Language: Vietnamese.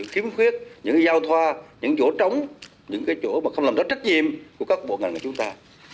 kiếm khuyết những giao thoa những chỗ trống những chỗ mà không làm đất trách nhiệm của các bộ ngành của chúng ta